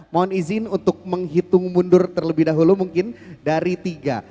mohon izin untuk menghitung mundur terlebih dahulu mungkin dari tiga